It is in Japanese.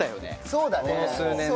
そうだね。